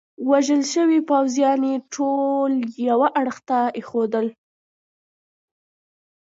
وژل شوي پوځیان يې ټول یوه اړخ ته ایښودل.